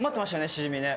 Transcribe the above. シジミね